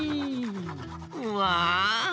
うわ！